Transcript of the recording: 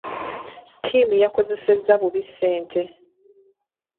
Ttiimu yakozesa bubi ssente.